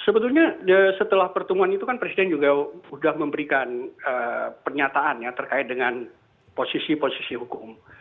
sebetulnya setelah pertemuan itu kan presiden juga sudah memberikan pernyataan ya terkait dengan posisi posisi hukum